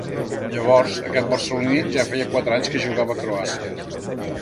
Llavors, aquest barceloní ja feia quatre anys que jugava a Croàcia.